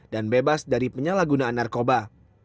dan bebas dari penyalahgunaan narkoba